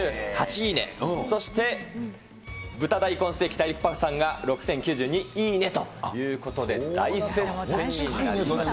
いいね、そして豚大根ステーキ、大陸パパさんが６０９２いいねということで大接戦に。